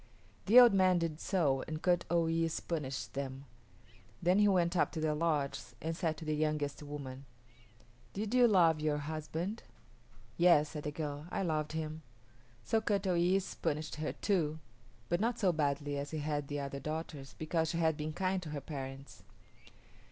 The old man did so and Kut o yis´ punished them. Then he went up to the lodges and said to the youngest woman, "Did you love your husband?" "Yes," said the girl, "I loved him." So Kut o yis´ punished her too, but not so badly as he had the other daughters, because she had been kind to her parents.